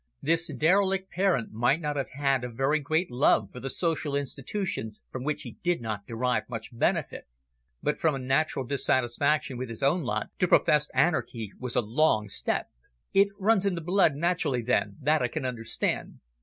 This derelict parent might not have had a very great love for the social institutions from which he did not derive much benefit. But from a natural dissatisfaction with his own lot to professed anarchy was a long step. "It runs in the blood naturally, then, that I can understand.